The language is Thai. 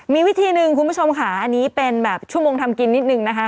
มีวิธีหนึ่งคุณผู้ชมค่ะอันนี้เป็นแบบชั่วโมงทำกินนิดนึงนะคะ